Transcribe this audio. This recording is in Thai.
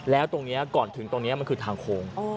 แล้วตรงนี้ก่อนถึงตรงนี้มันคือทางโค้ง